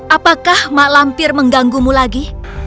apakah mak lampir mengganggumu lagi